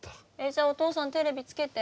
じゃあお父さんテレビつけて。